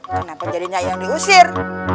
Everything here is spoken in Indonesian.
kenapa jadinya ayah diusir